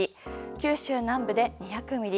九州南部で１００ミリ